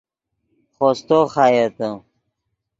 خوستو خایتے